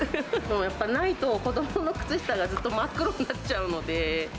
やっぱないと、子どもの靴下がずっと真っ黒になっちゃうので。